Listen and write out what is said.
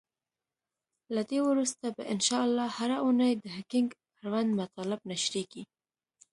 له دی وروسته به ان شاءالله هره اونۍ د هکینګ اړوند مطالب نشریږی.